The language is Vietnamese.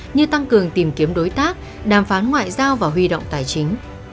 như tăng cường tìm kiếm đối tác đàm phán ngoại giao và huy động tài chính